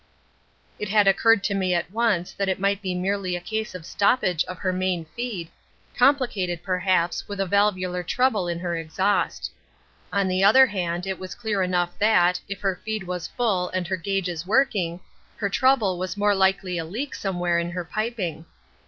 "It had occurred to me at once that it might be merely a case of stoppage of her main feed, complicated, perhaps, with a valvular trouble in her exhaust. On the other hand it was clear enough that, if her feed was full and her gauges working, her trouble was more likely a leak somewhere in her piping.